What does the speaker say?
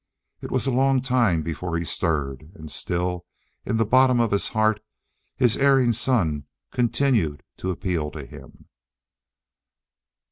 It was a long time before he stirred. And still, in the bottom of his heart, his erring son continued to appeal to him.